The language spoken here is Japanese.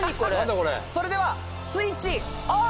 それではスイッチオン！